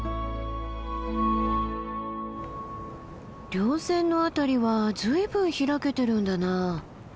稜線の辺りは随分開けてるんだな。